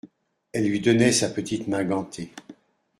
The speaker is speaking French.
Elle lui donnait sa petite main gantée.